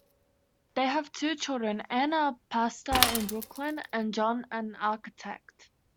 They have two children: Ann, a pastor in Brooklyn, and John, an architect.